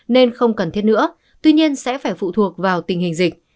nên không cần thiết nữa tuy nhiên sẽ phải phụ thuộc vào tình hình dịch